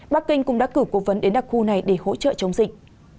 bắc kinh cũng đã cử cố vấn đến đặc khu này để hỗ trợ chống dịch